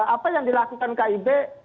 apa yang dilakukan kib